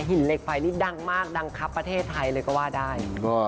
เหล็กไฟนี่ดังมากดังครับประเทศไทยเลยก็ว่าได้